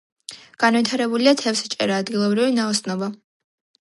განვითარებულია თევზჭერა, ადგილობრივი ნაოსნობა.